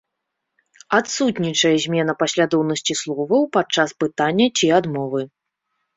Адсутнічае змена паслядоўнасці словаў падчас пытання ці адмовы.